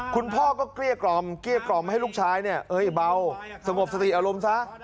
คุณพ่อก็เกลี้ยกรอบให้ลูกชายเนี่ยเบาสมบสติอารมณ์ซะ